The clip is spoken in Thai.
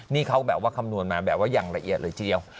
นี่เขาแบบว่าคำนวณมาแบบว่าอย่างละเอียดเลยทีเดียว